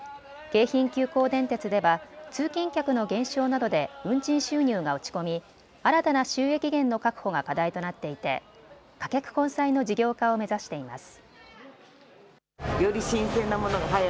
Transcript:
京浜急行電鉄では通勤客の減少などで運賃収入が落ち込み新たな収益源の確保が課題となっていて貨客混載の事業化を目指しています。